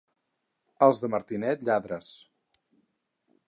Els de Martinet, lladres.